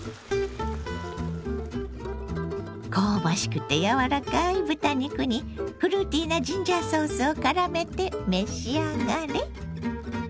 香ばしくて柔らかい豚肉にフルーティーなジンジャーソースをからめて召し上がれ。